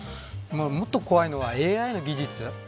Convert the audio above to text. もっと怖いのはＡＩの技術。